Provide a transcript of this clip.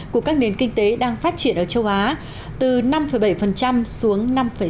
của các nền kinh tế đang phát triển ở châu á từ năm bảy xuống năm sáu